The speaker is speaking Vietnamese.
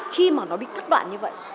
khi mà nó bị cắt đoạn như vậy